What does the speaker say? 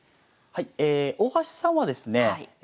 大橋さんはですね